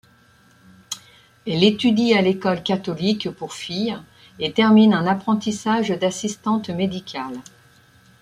Elle étudie à l'école catholique pour filles et termine un apprentissage d'assistante médicale.